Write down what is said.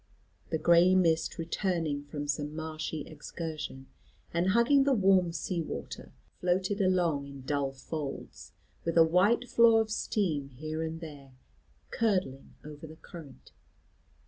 The gray mist returning from some marshy excursion, and hugging the warm sea water, floated along in dull folds, with a white flaw of steam here and there curdling over the current.